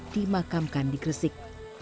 dimakamkan di gresik